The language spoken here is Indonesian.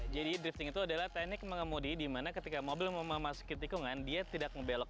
jadi drifting itu adalah teknik mengemudi dimana ketika mobil memasuki tikungan dia tidak membelok